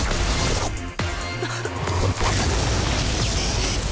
あっ！